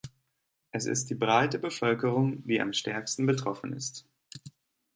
Es ist die breite Bevölkerung, die am stärksten betroffen ist.